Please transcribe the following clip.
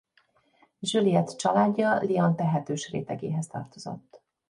Juliette családja Lyon tehetős rétegéhez tartozott.